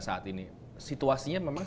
saat ini situasinya memang